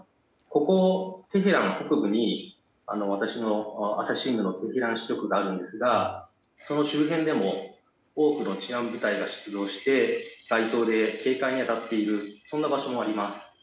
ここ、テヘランの北部に朝日新聞のテヘラン支局があるんですが、その周辺でも多くの治安部隊が出動して街頭で警戒に当たっているそんな場所もあります。